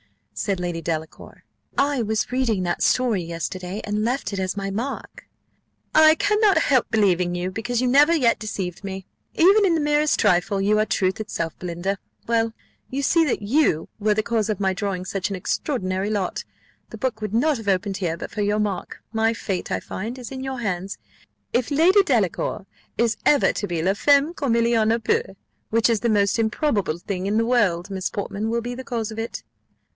said Lady Delacour. "I was reading that story yesterday, and left it as my mark." "I cannot help believing you, because you never yet deceived me, even in the merest trifle: you are truth itself, Belinda. Well, you see that you were the cause of my drawing such an extraordinary lot; the book would not have opened here but for your mark. My fate, I find, is in your hands: if Lady Delacour is ever to be la femme comme il y en a peu, which is the most improbable thing in the world, Miss Portman will be the cause of it."